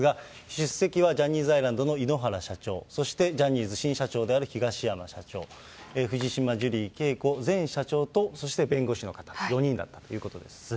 出席はジャニーズアイランドの井ノ原社長、そしてジャニーズ新社長である東山社長、藤島ジュリー景子前社長とそして弁護士の方４人だったということです。